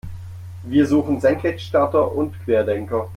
Wir suchen Senkrechtstarter und Querdenker.